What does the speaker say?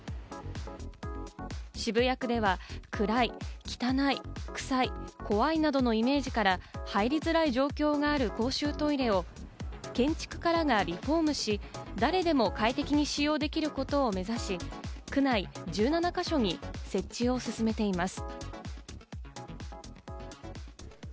渋谷区では、暗い、汚い、くさい、怖いなどのイメージから入りづらい状況がある公衆トイレを建築家らがリフォームし、誰でも快適に使用できることを目指し、区内１７か所に設置を進めています。